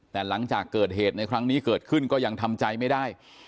แต่หลังจากเกิดเหตุในครั้งนี้เกิดขึ้นก็ยังทำใจไม่ได้